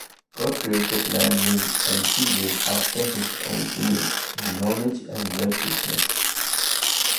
God created man male and female, after his own image, in knowledge, righteousness